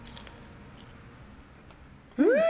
うん！